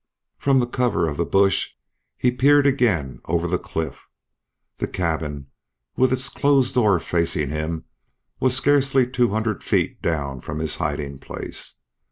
From the cover of the bush he peered again over the cliff. The cabin with its closed door facing him was scarcely two hundred feet down from his hiding place.